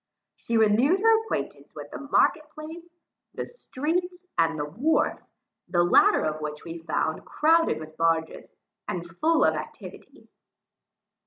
She renewed her acquaintance with the market place, the streets, and the wharf, the latter of which we found crowded with barges, and full of activity.